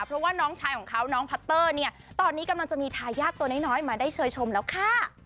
เพราะว่าน้องชายของเขาน้องพัตเตอร์เนี่ยตอนนี้กำลังจะมีทายาทตัวน้อยมาได้เชยชมแล้วค่ะ